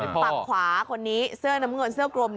ฝั่งขวาคนนี้เสื้อน้ำเงินเสื้อกลม